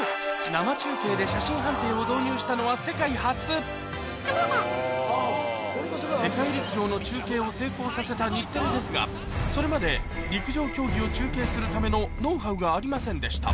生中継で写真判定を導入したのは世界初世界陸上の中継を成功させた日テレですがそれまで陸上競技を中継するためのノウハウがありませんでした